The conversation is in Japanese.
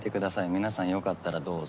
皆さん良かったらどうぞ。